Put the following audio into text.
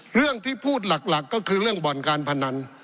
เรื่องที่พูดหลักก็คือเรื่องบ่อนการพนัน